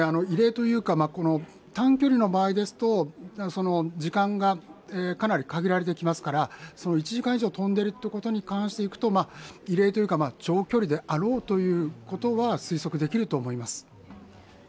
異例というか、短距離の場合ですと、時間がかなり限られてきますから、１時間以上飛んでいることに関していくと、異例というか、長距離であろうということは推測できると思います。